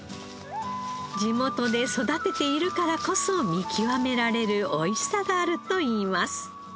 地元で育てているからこそ見極められる美味しさがあるといいます。